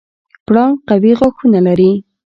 پړانګ قوي غاښونه لري.